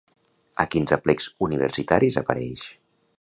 A quins aplecs universitaris apareix?